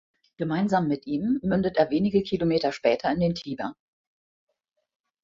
Gemeinsam mit ihm mündet er wenige Kilometer später in den Tiber.